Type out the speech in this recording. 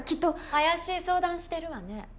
怪しい相談してるわね。